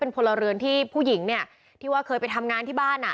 พลเรือนที่ผู้หญิงเนี่ยที่ว่าเคยไปทำงานที่บ้านอ่ะ